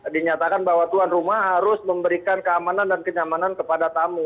dinyatakan bahwa tuan rumah harus memberikan keamanan dan kenyamanan kepada tamu